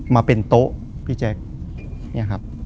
มาเป็นโต๊ะพี่แจ๊คเนี่ยครับ